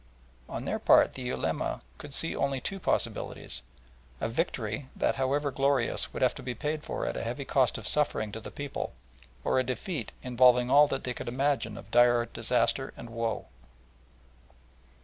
On their part the Ulema could see only two possibilities: a victory that, however glorious, would have to be paid for at a heavy cost of suffering to the people, or a defeat involving all that they could imagine of dire disaster and woe.